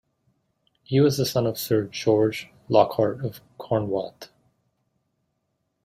He was the son of Sir George Lockhart of Carnwath.